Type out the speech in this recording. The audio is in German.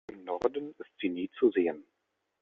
Im Norden ist sie nie zu sehen.